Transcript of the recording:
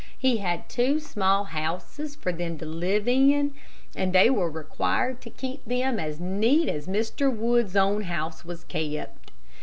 He had two small houses for them to live in, and they were required to keep them as neat as Mr. Wood's own house was kept.